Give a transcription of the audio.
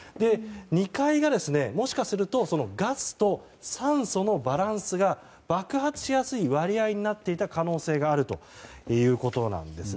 ２階がもしかするとガスと酸素のバランスが爆発しやすい割合になっていた可能性があるということです。